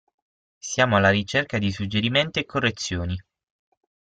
Siamo alla ricerca di suggerimenti e correzioni.